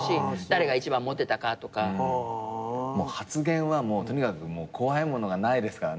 発言はとにかくもう怖いものがないですからね。